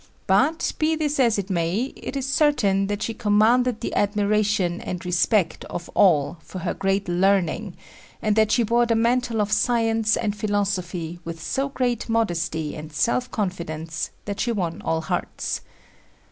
But, be this as it may, it is certain that she commanded the admiration and respect of all for her great learning, and that she bore the mantle of science and philosophy with so great modesty and self confidence that she won all hearts.